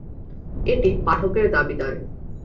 এটি পাঠকের দাবিদার।